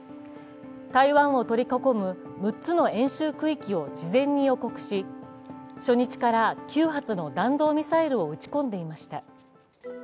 台湾を取り囲む６つの演習区域を事前に予告し初日から９発の弾道ミサイルを撃ち込んでいました。